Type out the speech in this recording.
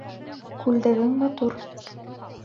Күлдәгең матур.